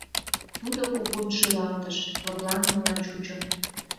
Тудо кугун шӱлалтыш, лыпланымыла чучо.